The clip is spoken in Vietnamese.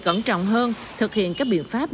cẩn trọng hơn thực hiện các biện pháp